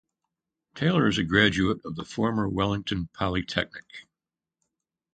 Taylor is a graduate of the former Wellington Polytechnic.